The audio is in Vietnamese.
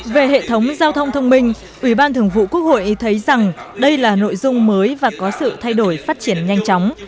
về hệ thống giao thông thông minh ủy ban thường vụ quốc hội thấy rằng đây là nội dung mới và có sự thay đổi phát triển nhanh chóng